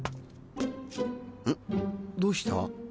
んどうした？